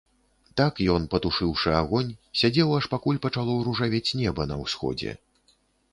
Так ён, патушыўшы агонь, сядзеў, аж пакуль пачало ружавець неба на ўсходзе.